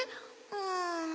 うん。